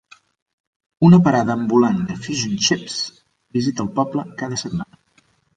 Una parada ambulant de "fish and chips" visita el poble cada setmana.